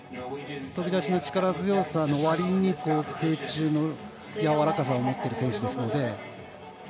飛び出しの力強さのわりに空中のやわらかさを持っている選手ですので。